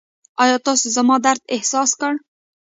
ایا تاسو زما درد احساس کړ؟